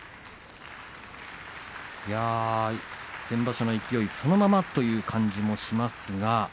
先場所の勢いそのままという感じもします。